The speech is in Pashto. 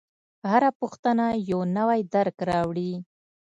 هره پوښتنه یو نوی درک راوړي.